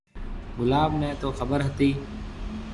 گلاب نَي تو خبر ھتِي۔